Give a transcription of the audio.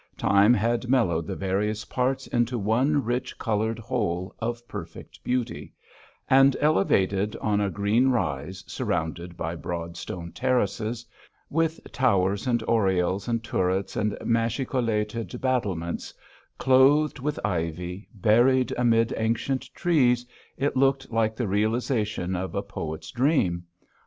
Time had mellowed the various parts into one rich coloured whole of perfect beauty, and elevated on a green rise, surrounded by broad stone terraces, with towers and oriels and turrets and machicolated battlements; clothed with ivy, buried amid ancient trees, it looked like the realisation of a poet's dream.